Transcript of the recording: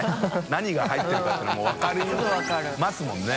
何が入ってるのかって發分かりますもんね。